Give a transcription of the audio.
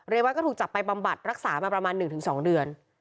เรวัตรก็ถูกจับไปปับบัตรรักษามาประมาณ๑๒เดือน